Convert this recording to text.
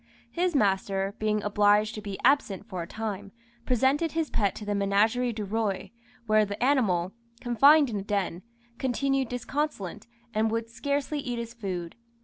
His master, being obliged to be absent for a time, presented his pet to the Ménagerie du Roi, where the animal, confined in a den, continued disconsolate, and would scarcely eat his food.